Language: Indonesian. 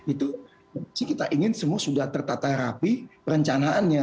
itu kita ingin semua sudah tertata rapi perencanaannya